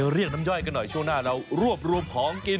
เรียกน้ำย่อยกันหน่อยช่วงหน้าเรารวบรวมของกิน